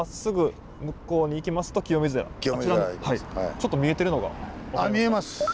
ちょっと見えてるのが分かりますか？